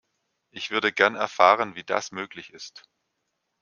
Ich würde gern erfahren, wie das möglich ist.